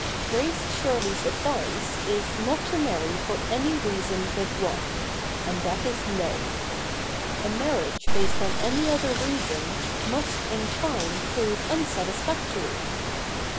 Grace Shirley's advice is not to marry for any reason but one—and that is love. A marriage based on any other reason must in time prove unsatisfactory.